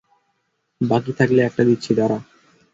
বাকী থাকলে একটা দিচ্ছি, দাঁড়া।